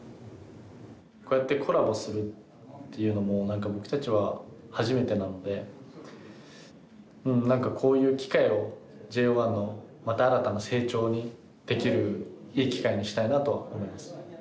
こうやってコラボするっていうのも僕たちは初めてなので何かこういう機会をＪＯ１のまた新たな成長にできるいい機会にしたいなと思います。